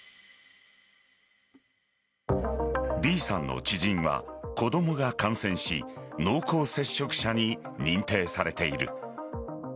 Ｂさんの知人は子供が感染し濃厚接触者に認定されている。